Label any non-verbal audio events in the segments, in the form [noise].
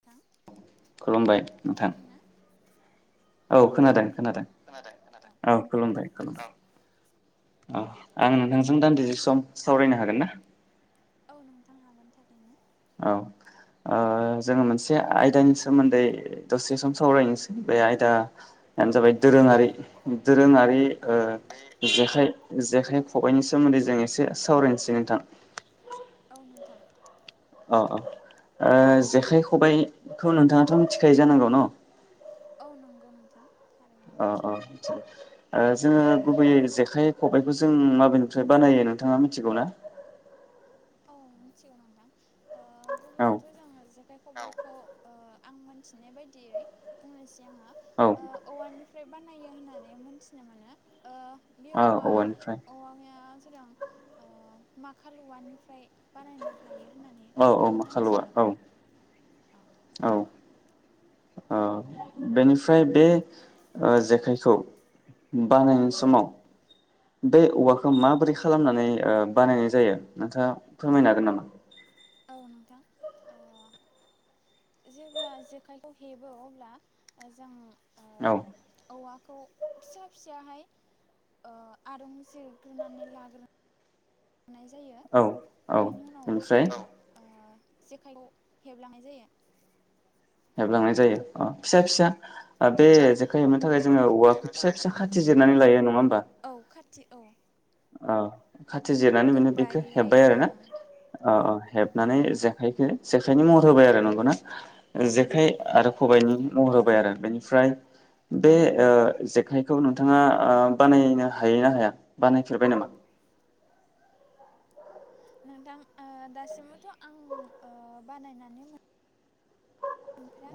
नोंथां खुलुमबाय नोंथां खोनादोंना औ खोनादों खुलुमबाय नोंथां खोनादों खोनादों औ खुलुमबाय औ खुलुमबाय औ आं नोंथांजों दान्दिसे सम सावरायनो हागोन ना? औ नोंथां हागोन थारैनो। औ जोङो मोनसे आयदानि सोमोन्दै दसे सम सावरायनोसै बे आयदायानो जाबाय दोरोङारि। दोरोङारि औ ओ नोंथां जेखाइ। खबाइनि सोमोन्दै जों एसे सावरायनोसै नोंथां। औ नोंथां। औ औ जेखाइ खबाइखौ नोंथाङाथ' मिथिखायो जानांगौ न औ नंगौ नोंथां। थारैनो अ अ मिथिगौ ओ। जोङो गुबैयै जेखाइ खबाइखौ जों माबेानिफ्राय बानायो नोंथाङा मिथिगौ ना? औ मोनथिगौ नोंथां। औ गुबैथ' जो जै। बे खबाइखौ आं मोनथिनाय बायदियै बुंनोसै औ आङो औवानिफ्राय बानायो होननानै मोनथिनो मोनो। औवानिफ्राय सोरां माखालुव ओमफ्राय बानायनो हायो। होननानै औ औ आं माखाल औआ मोनथियो औ। औ औ। औ बेनिफ्राय बे जेखाइखौ औ बानायनाय नोंथां समाव। बे औवाखौ माबोरै खालामनानै बानायनाय जायो नोंथाङा फोरमायनो हागोन नामा? औ नोंथां जेब्ला जेखाइखौ हेबो अब्ला जों। ओ औ। औवाखौ फिसा फिसाहाय आरं जिरग्रोनानै लाग्रो। नाय जायो। बेनि उनाव जों ओमफ्राय। ओ जेखाइखौ हेबलांनाय जायो। हेबलांनाय जायो अ फिसा फिसा। बे जेखाइ हेबनो थाखाय जोङो औवाखौ फिसा फिसा खाथि जिर नानै लायो नङा होनबा? औ खाथि औ। ‍ ओं। खाथि जिरनानै बिनो बेखौ गोबायै हेब्बाय आरोना ओ औ हेबनानै जेखाइजों। जेखायनि महर होबाय आरो नोंगौना। औ जेखाइ नंगौ आरो खबायाइनि। महर होबाय आरो बेनिफ्राय। बे औ नंगौ जेखाय। नोंथाङा बानायनो हायोना हाया? [inaudible] नोंथां दासिमबोथ' आं बानायनानै -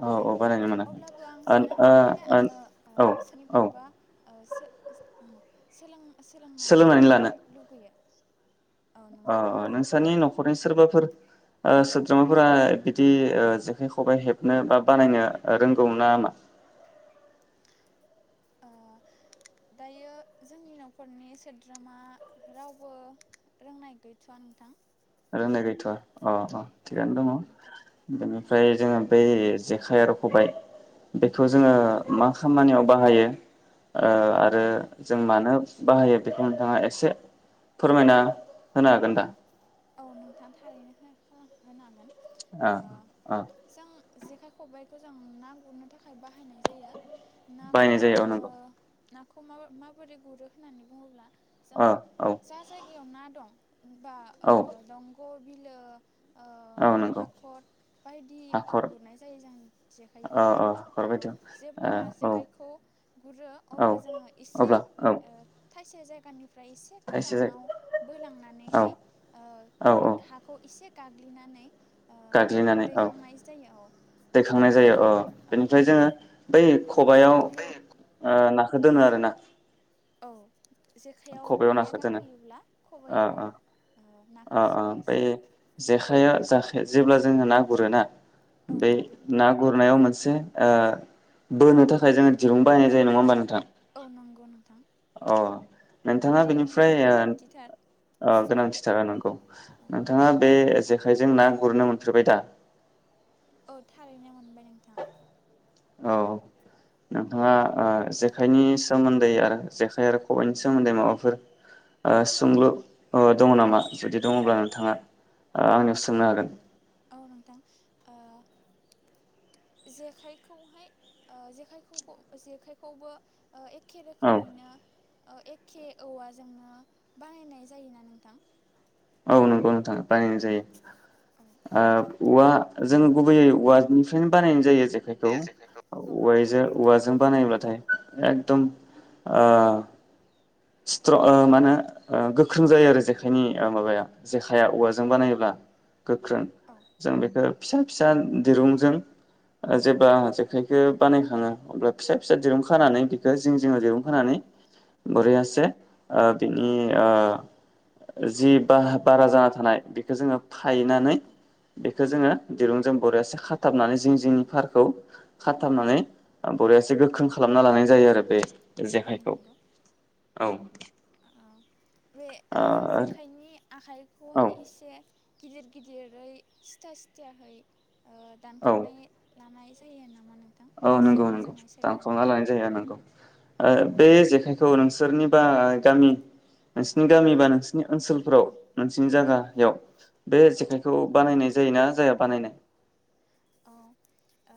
औ बानायनो मोनाखै अब्लाबो आं ओ सानो जे ओ आङो ओ औ औ सोरनिफ्रायबा। ओश सोलों सोलोंनानै सोलोंनानो लुगैयो। औ अ नंगौ नोंथां नोंसोरनि न'खरनि सोरबाफोर ओ सोद्रोमाफोरा बिदि ओ जेखाइ खबाइ हेबनो बा बानायनो रोंगौ नामा? ओ दायो जोंनि न'खरनि सोद्रोमा रावबो रोंनाय गैथ'वा नोंथां। रोंनाय गैथ'आ अ अ औ थिगानो दङ नंगौ नोंथां औ बेनिफ्राय जोङो। बै जेखाइ आरो खबाय बेखौ औ जोङो नोंथां मा खामानियाव। बाहायो। ओ औ आरो जों मानो बाहायो बेखौ नोंथाङा एसे फोरमायना होनो हागोन दा? औ नोंथां थारैनो [unintelligible] होनो हागोन। ओ ओ जों जेखाइ खबाइखौ जों ना गुरनो थाखाय बाहायनाय जायो। नाखौ बायनाय जायो औ ओ नंगौ नाखौ मा-माबोरै गुरो होननानै बुङोब्ला। जों ओ औ जा जायगायाव ना दं। होमबा औ। ग' बिलो ओ औ नंगौ हाखर हाखर बायदियाव गुरनाय जायो जों औ जेखाइखौ औ हाखर ओ बायदियाव जेब्ला ओ जेखाइखौ गुरो औ अब्ला जोङो एसे अब्ला औ ओ खायसे जायगानि फ्राय एसे थाइसे जायगा गोजानाव औ बोलांनानैहाय ओ औ औ थाखौ एसे गाग्लिनानै ओ गाग्लिनानै औ दैखांनाय जायो औ दैखांनाय ओ जायो औ औ बेनिफ्राय जोङो बै खबाइआव बेयाव ओ ना खो दोनो आरोना। औ जेखायाव खबायाव नाया नाखौ दोनो गाखोयोब्ला ओ खबाइआव ओ ओ नाखौ सोनो सोयो। जेखाइआ जाखाय जेब्ला जोङो ना गुरोना औ बे नोंथां ना गुरनायाव मोनस से ओ बोनो थाखाय जोङो दिरुं बायनाय जायो नङा होमबा नोंथां औ नंगौ नोंथां। अ नोंथाङा बेनिफ्राय दिरुंनि ओ गोनांथिथार ओ गोनांथिथार नंगौ औ नोंथाङा बे जेखाइजों ना गुरनो मोनफेरबायदा औ थारैनो मोनबाय नोंथां औ नोंथाङा ओ जेखाइनि सोमोन्दै आरो जेखाइ आरो खबाइनि सोमोन्दै माबाफोर ओ सोंलु अ दङ नामा जुदि दङब्ला नोंथाङा ओ आंनियाव औ सोंनो हागोन औ नोंथां ओ जेखाइखौहाय ओ जेखाइखौखौ जेखाइखौबो ओ एखे औ रोखोमैनो एखे औवाजोंनो बानायनाय जायोना नोंथां औ नंगौ नोंथां बानायनाय जायो औ ओ औवा जोंनो गुबैयै औवानिफ्रायनो बानायनाय जायो जेखाइखौ बे औ जेखायखौ औ औवा नों औवाजों खबाय बानायोबाथाय एकदम ओ स्ट्र ओ मा होनो गोख्रों जायो आरो जेखाइनि ए माबाया जेखाया औवाजों बानायोब्ला गोख्रों औ जों बेखो फिसा फिसा दिरुंजों ओ जेब्ला जेखाइखो बानायखाङो अब्ला फिसा फिसा दिरुं औ खानानै बिखो जिं जिङाव औ दिरुंखानानै नोंथां औ बोरैयासे ओ औ बिनि नंगौ ओ जि बाहा बारा जाना थानाय बेखौ जोङो फायनानै औ बे बेखौ जोङो दिरुंजों बरयासे खाथाबनानै जिं जिंनि औ फारखौ औ खाथाबनानै बर एसे गोख्रों खालामना लानाय जायो आरो बे जेखाइखौ औ आ आ-रो आखाइखौहाय एसे गिदिर गिदिरै सिथा सिथाहै ओ औ दानखावनाय लानाय जायो नामा नों औ नंगौ नंगौ दानखांना लानाय जायो नंगौ ओ औ बे जेखाय खौ नोंसोरनिबा गामि नोंसोरनि गामिबा नों ओनसोलफ्राव नोंसोरनि औ जागायाव बे जेखाइ बेखौ बानायनाय जायोना जाया बानायनाय? औ ओ‌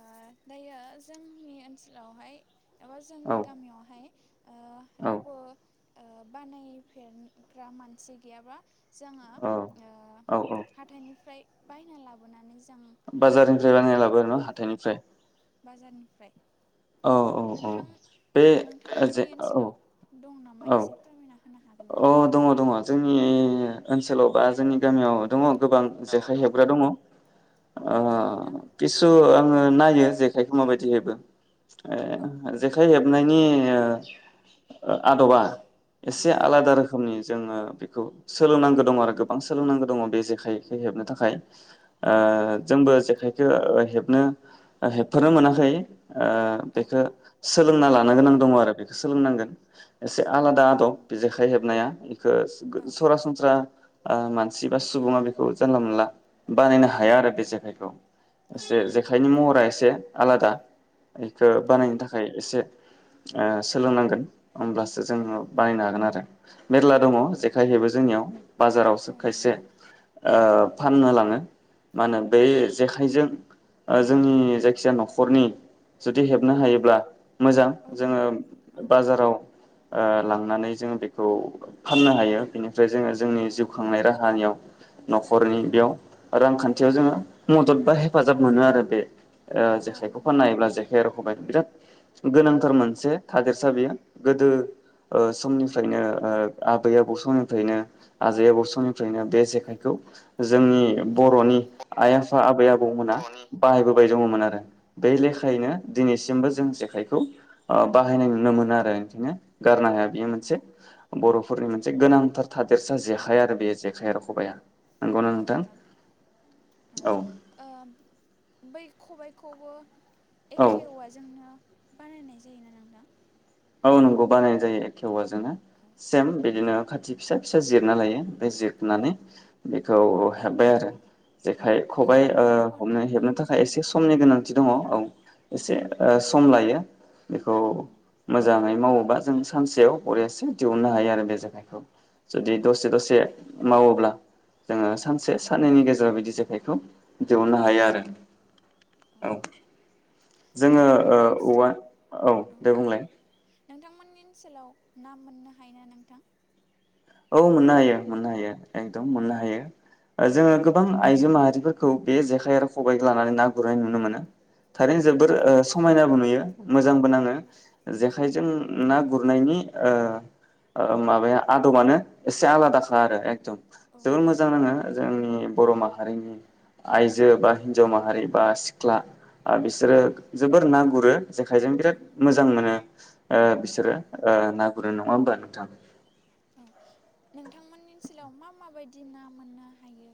दायो जोंनि ओनसोलावहाय एबा औ जोंनि गामियावहाय ओ औ रावबो ओ बानायफेरग्रा मानसि गैयाबा जोङो औ ओ औ औ हाथाइनिफ्राय बायना लाबोनानै जा बाजार नाखौ गुरफैयो औ बाजारनि औ ओमफ्राय औ नोंथां बे जे नोंथांमोननि औ ओनसोलाव दं नामा औ एसे फोरमायना हो होनो हागोन ना? अ दङ दङ जोंनि ओनसोलाव बा जोंनि गामियाव दङ। गोबां जेखाइ हेबग्रा दङ ओ औ नोंथां खिसु आङो नायो जेखाइखौ माबायदि हेबो औ ए जेखाइ हेब बानायनि ओ आदबा एसे औ आलादा रोखोमनि जोङो बेखौ सोलोंनांगौ दङ आरो गोबां सोलोंनांगौ दङ बे जेखाइखो हेबनो थाखाय औ ओ नंगौ नोंथां जोंबो जेखाइ हेबनो हेबथनो मोनाखै ओ बेखो सोलोंना लानो गोनां दङ आरो बेखौ सोलोंनांगोन एसे आलादा औ आदब औ जेखाइ हेबनाया सो‌ गो औ सरासनस्रा ओ मानसि बा सुबुङा बेखौ जानला मोनला बानायनो हाया आरो बे जेखाइखौ औ एसे नंगौ जेखायनि महरा एसे आलादा बेखौ औ बानायनो थाखाय एसे ओ सोलोंनांगोन होमब्लासो जोङो औ बानायनो हागोन आरो मेरला दङ औ जेखाइहेबो जोंनियाव बाजारावसो औ खायसे नंगौ ओ फाननो लाङो मा होनो बे औ जेखाइजों ओ जोंनि जायखि जाया न'खरनि जुदि हेबनो औ हायोब्ला मोजां औ जोङो नंगौ नोंथां औ बाजाराव ओ लांनानै जों बेखौ फाननो हायो बेनो। ओमफ्राय जोङो जोंनि औ जिउ नंगौ खांनाय राहानियाव न'खरनि बेयाव रांखान्थियाव जोङो मदद बा हेफाजाब मोनो आरो बे। ओ औ जेखायखौ फाननो नंगौ हायोब्ला जेखाइ र खबाय बिराद गोनांथार मोनसे थादेरसा बेयो गोदो ओ समनिफ्रायनो ओ आबै आबौ समनिफ्रायनो आजै आबौ समनिफ्रायनो बे जेखाइखौ जोंनि बर'नि आइ आफा आबै आ बौ मोना बर'नि बाहायबोबाय दङमोन आरो बे औ लेखायैनो औ दिनैसिमबो जों नंगौ जेखाइखौ ओ बाहायनाय नुनो मोनो आरो बेखायनो गारनो हाया। बेयो औ मोनसे। बर'फोरनि औ मोनसे गोनांथार थादेरसा औ जेखाइ आरो बे जेखाइ खबाया। औ [unintelligible] बै खबायखौबो। औ एखे औवा जोंनो बानायनाय जायोना नोंथां। नोंगौ बानायनाय जायोे एखे औवाजों औ [unintelligible] सेम बिदिनो। खाथि फिसा फिसा जिरना लायो ओमफ्राय जिरनानै औ बेखौ हेब्बाय आरो। जेखाय खबाइ ओ खबाइनि महर हमनो होनानै हेबनो हेबनाय थाखाय जायो एसे समनि गोनांथि दङ औ औ एसे ओ सम लायो। बेखौ। औ मोजाङै मावोबा जों सानसेयाव बरियासे दिहुननो हायो आरो बे जेखाइखौ औ जुदि नंगौ दसे दसे मावोब्ला जोङो औ सानसे साननैनि गेजेराव बिदि जेखाइखौ औ दिहुननो हायो आरो। औ जोङो ओ नोंथांमोननि औवा ओनसोलाव औ दे बुंलाय। नोंथांमोननि ओनसोलाव ना मोननो हायोना नोंथां। औ मोननो हायो मोननो हायो औ एकदम मोननो हायो ओ जोङो औ गोबां आइजो माहारिफोरखौ बे जेखाइ आरो खबाइखौ लानानै ना गुरनाय नुनो मोनो थारैनो औ जोबोर नंगौ ओ समायनाबो नुयो मोजांबो नाङो औ जेखाइजों ना गुरनायनि ओ ओ माबाया आदबानो एसे आलादाखा आरो एकदम। औ जोबोर नंगौ मोजां नाङो जोंनि बर' माहारिनि आइजो बा हिनजाव माहारि बा सिख्ला। ओ बिसोरो औ जोबोर ना गुरो। जेखायजों बिराद औ मोजां मोनो ओ औ बिसोरो ओ ना गुरो नङा होमबा नोंथां। औ नोंथांमोननि ओनसोलाव मा माबायदि ना मोननो हायो।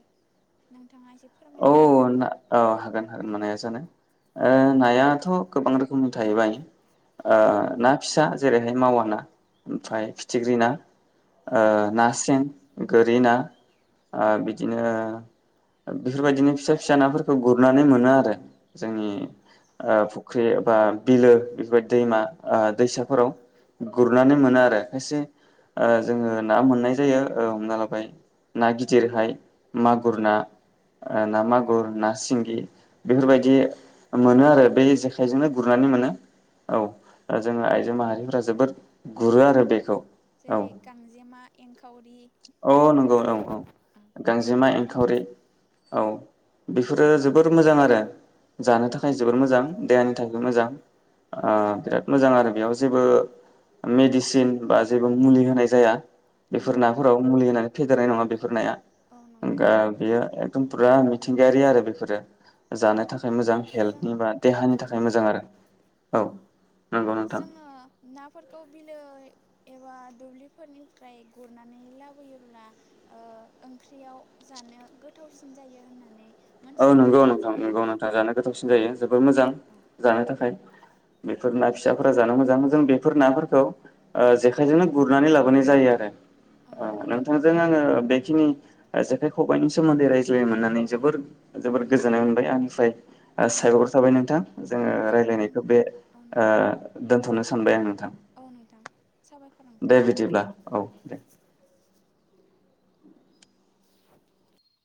नोंथाङा एसे फोरमायना होनो हागोन? औ-औ हागोन हागोन मानो हाया जानो। नायाथ' गोबां रोखोमनि थाहैबाय औ ओ नंगौ ना नोंथां फिसा थारैनो जेरैहाय मावा ना औ ओमफ्राय फिथिख्रि ना औ ना सें गोरि ना औ ओ बिदिनो बेफोरबायदिनो फिसा फिसा नाफोरखौ गुरनानै मोनो आरो जोंनि औ फुख्रि बा बिलो बेफोरबायदि दैमा दैसाफोराव गुरनानै नंगौ मोनो आरो नोंथां खायसे जोङो ना मोननाय जायो हमना लाबाय ना गिदिरहाय मागुर औ ना ना नंगौ मागुर ना सिंगि औ बेफोरबायदि मोनो आरो बे जेखायजोंनो गुरनानै मोनो औ दा जोङो आइजो माहारिफोरा जोबोद गुरो आरो उम बेखौ औ जेरै गांजेमा एंखावरि औ नंगौ औ औ गांजेमा एंखावरि औ बेफोरो जोबोर मोजां आरो जानो थाखाय जोबोर मोजां देहानि थाखाय औ मोजां औ बिराद मोजां आरो बेयाव जेबो मेडिसिन बा जेबो मुलि होनाय जाया। औ बेफोर नंगौ नाफोराव मुलि होनानै। फेदेरनाय नङा बेफोर नाया औ नंगौ [unintelligible] बियो ओम फुरा मिथिंगायारि आरो बेफोरो‌। जानो औ थाखाय मोजां जों हेल्थनि बा देहानि औ थाखाय। नंगौ मोजां आरो औ नंगौ नोंथां जोङो नाफोरखौ बिलो एबा दुब्लिफोरनिफ्राय गुरनानै लाबोयोब्ला ओंख्रियाव जानो गोथावसिन जायो होननानै औ मोनथिनाय नंगौ मोननाय नोंथां जायो नंगौ नोंथां जानो गोथावसिन जायो जोबोर मोजां औ जानो थाखाय। बेफोर ना औ फिसाफोरा जानो मोजां मोजां बेफोर नाफोरखौ जेखायजोंनो गुरनानै लाबोनाय जायो आरो औ नंगौ नोंथां नोंथांजों आङो बेखिनि जेखाइ खबाइनि सोमोन्दै रायज्लायै मोननानै जोबोर जोबोद गोजोननाय मोनबाय आंनिफ्राय औ साबायख'र नोंथां थाबाय नोंथां औ जोङो नोंथां नों रायलायनायखौ बे औ ओ नोंथां दोनथ'नो सानबाय आं नोंथां औ नोंथां साबायखर दे नोंथां बिदिब्ला औ दे [inaudible]